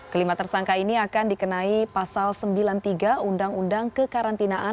kelima tersangka ini akan dikenai pasal sembilan puluh tiga undang undang kekarantinaan